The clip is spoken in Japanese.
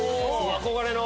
憧れの。